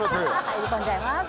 入り込んじゃいます